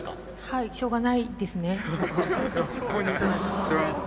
はいしょうがないですね。